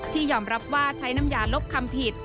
ยอมรับว่าใช้น้ำยาลบคำผิด